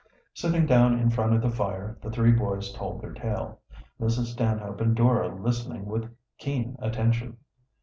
Sitting down in front of the fire the three boys told their tale, Mrs. Stanhope and Dora listening with keen attention.